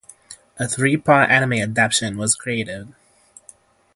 A three-part anime adaption was created.